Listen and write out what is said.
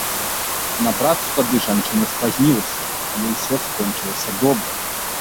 На працу тады жанчына спазнілася, але ўсё скончылася добра.